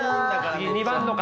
次２番の方。